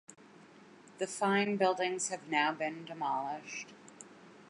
The fine buildings have now been demolished.